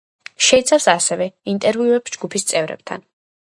შეიცავს ასევე ინტერვიუებს ჯგუფის წევრებთან.